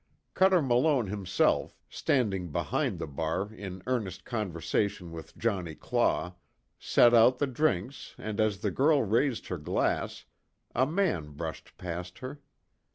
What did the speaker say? Cuter Malone himself, standing behind the bar in earnest conversation with Johnnie Claw, set out the drinks and as the girl raised her glass, a man brushed past her.